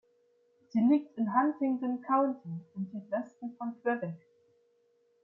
Sie liegt in Huntingdon County, im Südwesten von Quebec.